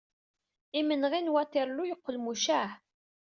Imenɣi n Waterloo yeqqel mucaɛ.